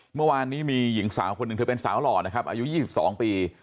เมื่อวานนี้มีหญิงสาวคนหนึ่งเธอเป็นสาวหล่อนะครับอายุ๒๒ปี